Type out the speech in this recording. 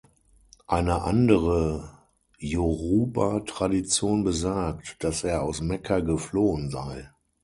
Eine andere Yoruba Tradition besagt, dass er aus Mekka geflohen sei.